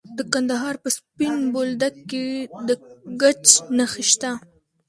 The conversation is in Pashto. د کندهار په سپین بولدک کې د ګچ نښې شته.